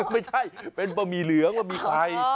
ไม่ใช่เป็นบะหมี่เหลืองแล้วมีไข่